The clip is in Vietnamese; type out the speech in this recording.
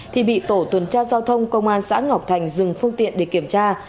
thì bị tổ tuần tra giao thông công an xã ngọc thành dừng phương tiện để kiểm tra